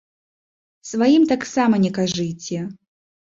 Сваім таксама не кажыце.